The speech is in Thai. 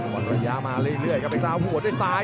วันละยามาเรื่อยครับเอ็กต้าหัวด้วยซ้าย